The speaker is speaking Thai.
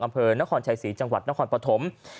อำเภอนครชัยศรีจังหวัดนครปฐม